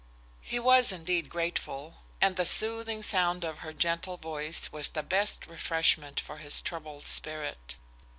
He was indeed grateful, and the soothing sound of her gentle voice was the best refreshment for his troubled spirit.